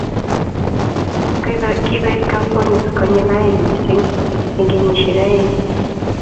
Kikoet kampunit konyil aeng mising eng kenyisiek aeng